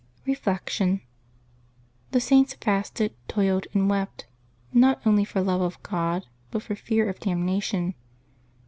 Reflection. — The Saints fasted, toiled, and wept, not only for love of God, but for fear of damnation.